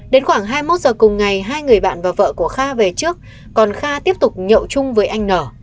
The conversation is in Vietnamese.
đến khoảng hai mươi một giờ cùng ngày hai người bạn và vợ của kha về trước còn kha tiếp tục nhậu chung với anh nở